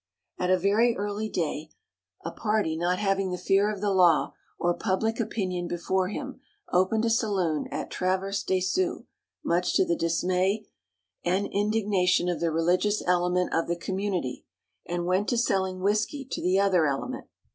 At a very early day, a party not having the fear of the law or public opinion before him opened a saloon at Traverse des Sioux, much to the dismay and indignation of the religious element of the community, and went to selling whisky to the other element.